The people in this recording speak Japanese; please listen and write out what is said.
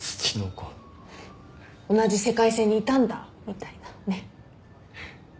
同じ世界線にいたんだみたいなねっ。